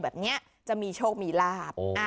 แบบนี้จะมีโชคมีลาบ